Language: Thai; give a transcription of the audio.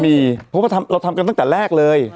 มีเพราะว่าเราทำกันตั้งแต่แรกเลย